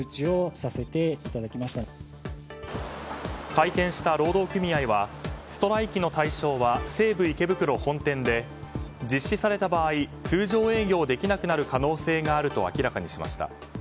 会見した労働組合はストライキの対象は西武池袋本店で実施された場合通常営業できなくなる可能性があると明らかにしました。